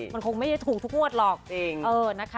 มันคงไม่ได้ถูกทุกงวดหรอก